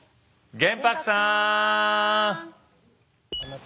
玄白さん！